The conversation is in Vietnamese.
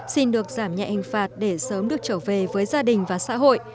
xin được giảm nhạy hành phạt để sớm được trở về với gia đình và xã hội